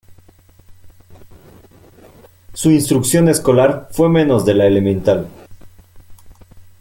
Su instrucción escolar fue menos de la elemental.